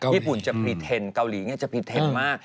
ญี่ปุ่นจะมีเทนเกาหลีจะผิดเท็จมาก